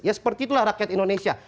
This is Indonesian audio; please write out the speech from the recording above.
ya seperti itulah rakyat indonesia